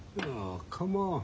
構わん。